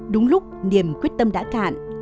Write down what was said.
đúng lúc niềm quyết tâm đã cạn